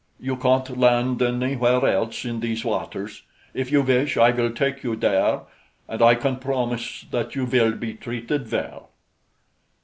You can't land anywhere else in these waters. If you wish, I will take you there, and I can promise that you will be treated well."